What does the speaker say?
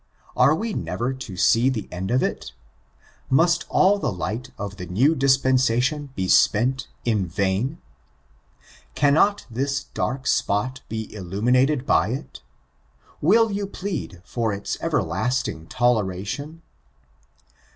Are we never to see the end of iti Must all the light of the New Dispensation be spent in vain? Cannot this dark spot be illuminated by iti Will you plead for its everlasting toleration.